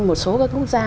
một số các quốc gia